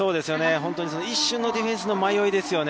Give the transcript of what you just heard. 本当に一瞬のディフェンスの迷いですよね。